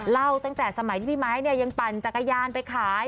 เล่าตั้งแต่สมัยที่พี่ไม้ยังปั่นจักรยานไปขาย